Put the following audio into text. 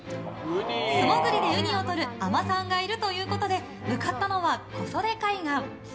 素潜りでウニをとる海女さんがいるということで向かったのは小袖海岸。